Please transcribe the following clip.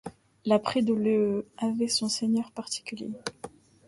La Prée dès le avait son seigneur particulier.